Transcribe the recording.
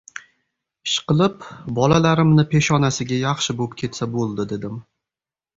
— Ishqilib, bolalarimni peshonasiga yaxshi bo‘p ketsa bo‘ldi... — dedim.